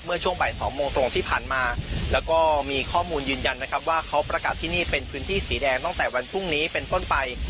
ช่วงบ่ายสองโมงตรงที่ผ่านมาแล้วก็มีข้อมูลยืนยันนะครับว่าเขาประกาศที่นี่เป็นพื้นที่สีแดงตั้งแต่วันพรุ่งนี้เป็นต้นไป